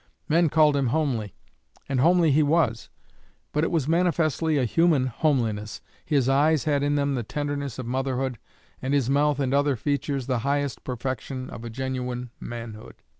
Men called him homely, and homely he was; but it was manifestly a human homeliness. His eyes had in them the tenderness of motherhood, and his mouth and other features the highest perfection of a genuine manhood."